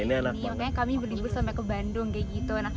makanya kami berlibur sampai ke bandung kayak gitu